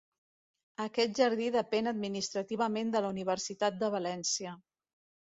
Aquest jardí depèn administrativament de la Universitat de València.